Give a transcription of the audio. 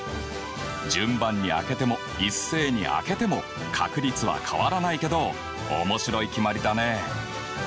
順番に開けても一斉に開けても確率は変わらないけど面白い決まりだね。